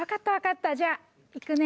じゃあ行くね。